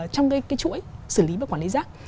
trong cái chuỗi xử lý và quản lý rác